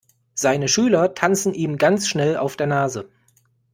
Seine Schüler tanzen ihm ganz schnell auf der Nase.